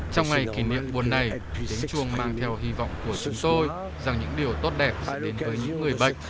trong ngày kỷ niệm buồn này diễn chuông mang theo hy vọng của chúng tôi rằng những điều tốt đẹp đến với những người bệnh